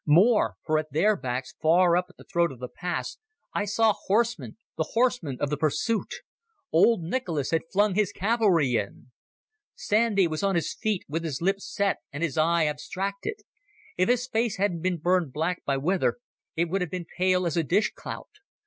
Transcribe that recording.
More; for at their backs, far up at the throat of the pass, I saw horsemen—the horsemen of the pursuit. Old Nicholas had flung his cavalry in. Sandy was on his feet, with his lips set and his eye abstracted. If his face hadn't been burned black by weather it would have been pale as a dish clout.